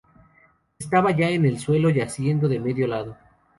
Estaba ya en el suelo, yaciendo de medio lado.